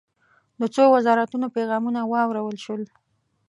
د څو وزارتونو پیغامونه واورل شول.